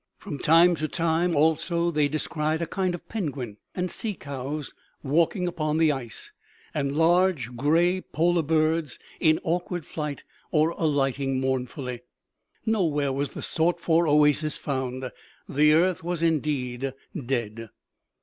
From time to time, also, they descried a kind of penguin and sea cows walking upon the ice, and large, gray polar birds in awkward flight, or alighting mournfully. Nowhere was the sought for oasis found. The earth was indeed dead.